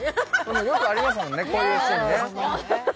よくありますもんね、こういうシーンね。